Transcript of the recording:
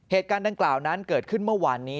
เหตุการณ์ดังกล่าวนั้นเกิดขึ้นเมื่อวานนี้